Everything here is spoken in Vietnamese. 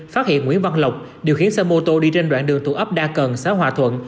phát hiện nguyễn văn lộc điều khiển xe mô tô đi trên đoạn đường tụ ấp đa cần xã hòa thuận